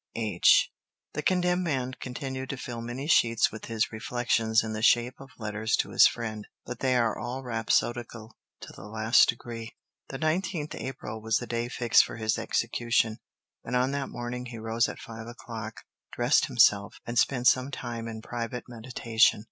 H." The condemned man continued to fill many sheets with his reflections in the shape of letters to his friend. But they are all rhapsodical to the last degree. The 19th April was the day fixed for his execution, and on that morning he rose at five o'clock, dressed himself, and spent some time in private meditation.